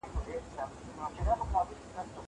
زه پرون قلم استعمالوموم وم!